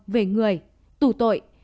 về người tù tội